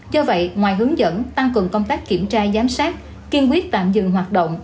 do vậy ngoài hướng dẫn tăng cường công tác kiểm tra giám sát kiên quyết tạm dừng hoạt động